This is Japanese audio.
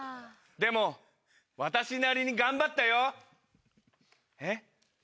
でも私なりに頑張ったよ。え？